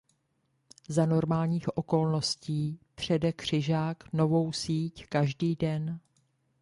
Za normálních okolností přede křižák novou síť každý den.